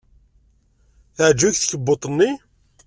Teɛjeb-ik tkebbuḍt-nni?